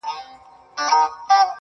یو څوک دي ووایي چي کوم هوس ته ودرېدم؟